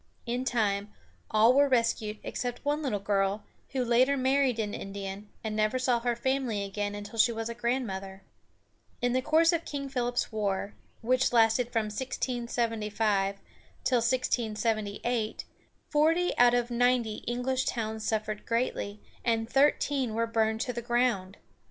In time, all were rescued, except one little girl, who later married an Indian, and never saw her family again until she was a grandmother. In the course of King Philip's War, which lasted from 1675 till 1678, forty out of ninety English towns suffered greatly, and thirteen were burned to the ground.